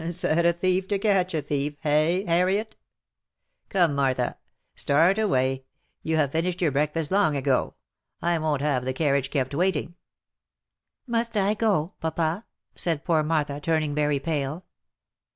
" Set a thief to catch a thief — hey ! Harriet ? Come Martha ! start away ! You have finished your breakfast long ago. I won't have the carriage kept waiting." " Must I go, papa?" said poor Martha, turning very pale.